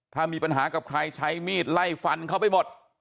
ถ้ามีปัญหากับใครใช้มีดไล่ฟันเขาไปหมด